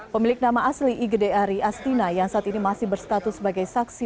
pemilik nama asli igede ari astina yang saat ini masih berstatus sebagai saksi